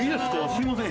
すいません。